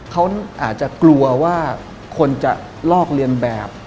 เขาอาจจะกลัวว่าคนจะลอกเรียนแบบ